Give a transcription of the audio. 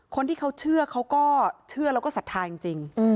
คนที่เขาเชื่อเขาก็เชื่อแล้วก็ศรัทธาจริง